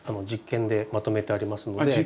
実験でまとめてありますので。